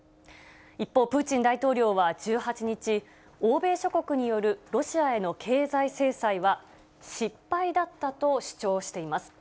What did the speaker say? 一方、プーチン大統領は１８日、欧米諸国によるロシアへの経済制裁は失敗だったと主張しています。